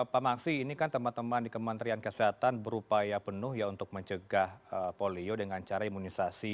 pak maksi ini kan teman teman di kementerian kesehatan berupaya penuh ya untuk mencegah polio dengan cara imunisasi